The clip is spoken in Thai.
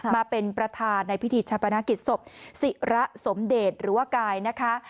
มาเป็นประธานในพิธีชาปนกิจศพศิระสมเดชหรือว่ากายนะคะ